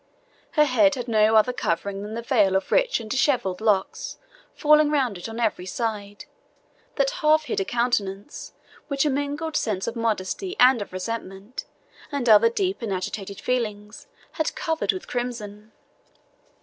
Her head had no other covering than the veil of rich and dishevelled locks falling round it on every side, that half hid a countenance which a mingled sense of modesty and of resentment, and other deep and agitated feelings, had covered with crimson.